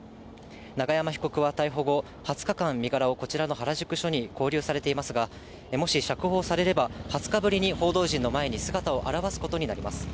永山被告は逮捕後、２０日間、身柄をこちらの原宿署に勾留されていますが、もし釈放されれば２０日ぶりに報道陣の前に姿を現すことになります。